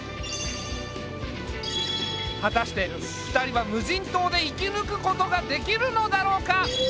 果たして２人は無人島で生き抜くことができるのだろうか？